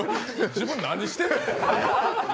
自分何してんの？